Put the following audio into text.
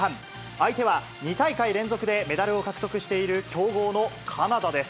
相手は、２大会連続でメダルを獲得している強豪のカナダです。